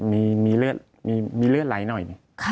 มีเลือดไหลหน่อย